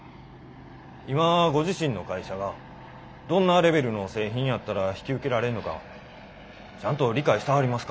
今ご自身の会社がどんなレベルの製品やったら引き受けられんのかちゃんと理解してはりますか？